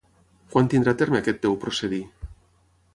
Quan tindrà terme aquest teu procedir?